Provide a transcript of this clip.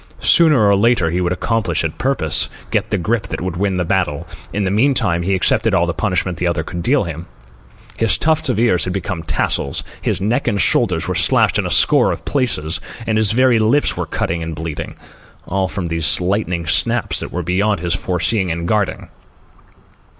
Sooner or later he would accomplish his purpose, get the grip that would win the battle. In the meantime, he accepted all the punishment the other could deal him. His tufts of ears had become tassels, his neck and shoulders were slashed in a score of places, and his very lips were cut and bleeding—all from these lightning snaps that were beyond his foreseeing and guarding.